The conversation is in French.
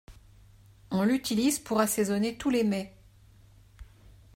On l'utilise pour assaisonner tous les mets.